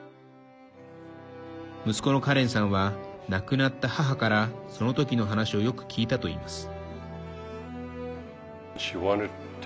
息子のカレンさんは亡くなった母からそのときの話をよく聞いたといいます。